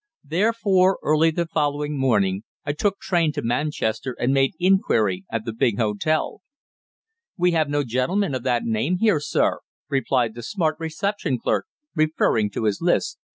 Therefore, early the following morning, I took train to Manchester, and made inquiry at the big hotel. "We have no gentleman of that name here, sir," replied the smart reception clerk, referring to his list.